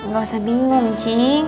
gak usah bingung cing